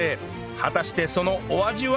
果たしてそのお味は？